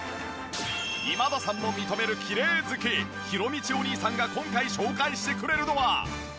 今田さんも認めるきれい好きひろみちお兄さんが今回紹介してくれるのは。